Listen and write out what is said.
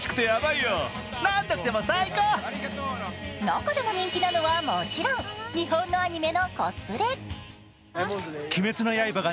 中でも人気なのは、もちろん日本のアニメのコスプレ。